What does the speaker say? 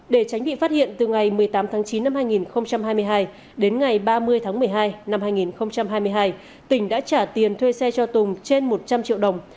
để tránh bị phát hiện từ ngày một mươi tám tháng chín năm hai nghìn hai mươi hai đến ngày ba mươi tháng một mươi hai năm hai nghìn hai mươi hai tỉnh đã trả tiền thuê xe cho tùng trên một trăm linh triệu đồng